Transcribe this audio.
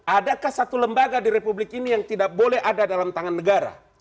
adakah satu lembaga di republik ini yang tidak boleh ada dalam tangan negara